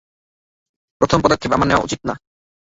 প্রথম পদক্ষেপ আমাদের নেয়া উচিত না।